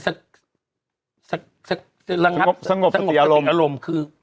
สงบกระติกอารมณ์